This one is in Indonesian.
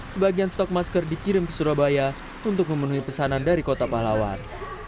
sebagian stok masker dikirim ke surabaya untuk memenuhi pesanan dari kota pahlawan